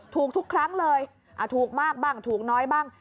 ถูกทุกครั้งเลยถูกมากบ้างถูกน้อยบ้าง